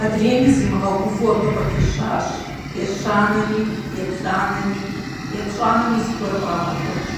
Адрейми зимыгъэгувэу абы къыпищащ, ещанэми, еплӀанэми… епщӀанэми зыгуэр кърагъэкӀуэкӀ.